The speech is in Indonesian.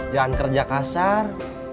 jangan kerja kasar